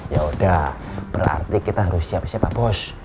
ya udah berarti kita harus siap siap bos